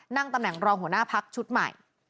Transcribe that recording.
นั่งตำแหน่งรองหัวหน้าพักชุดใหม่